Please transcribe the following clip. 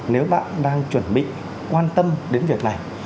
nếu bạn đang chuẩn bị quan tâm đến việc này